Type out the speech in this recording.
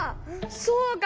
そうか。